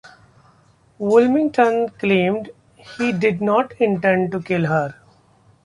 Woolmington claimed he did not intend to kill her.